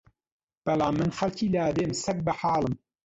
بەڵام من خەڵکی لادێم سەگ بەحاڵم